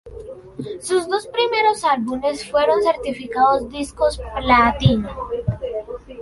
Sus dos primeros álbumes fueron certificados discos platino.